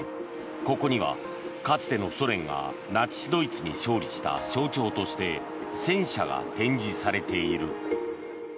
ここには、かつてのソ連がナチス・ドイツに勝利した象徴として戦車が展示されている。